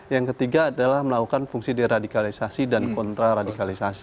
yang ketiga adalah melakukan fungsi deradikalisasi dan kontraradikalisasi